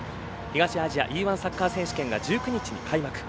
東アジアＥ‐１サッカー選手権が１９日に開幕。